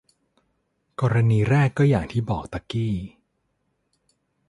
กรณีแรกก็อย่างที่บอกตะกี้